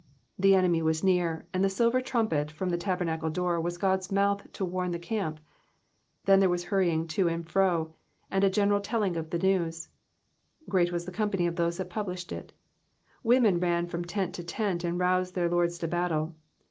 '''* The enemy was near, and the silver trumpet from the tabernacle door was God's mouth to warn the camp : then was there hurrying to and fro, and a general telling of the news ;great was the company of those that published it.'''' The women ran from tent to tent and roused their lords to battle.